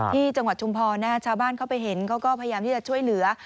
จังหวัดชุมพรชาวบ้านเข้าไปเห็นเขาก็พยายามที่จะช่วยเหลือ